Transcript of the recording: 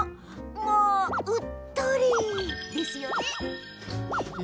もううっとり！ですよね。